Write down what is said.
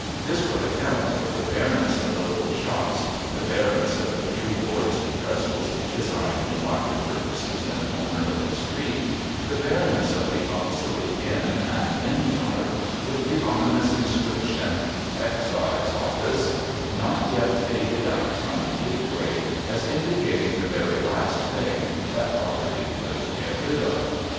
This would account for the bareness of the little shops, the bareness of the few boards and trestles designed for market purposes in a corner of the street, the bareness of the obsolete Inn and Inn Yard, with the ominous inscription * Excise Office ' not yet faded out from the gateway, as indicating the very last thing that poverty could get rid of.